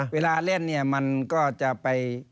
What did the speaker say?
เวลาเล่นเนี่ยมันก็จะไป